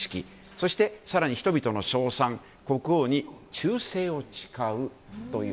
そして、更に人々の称賛国王に忠誠を誓うという。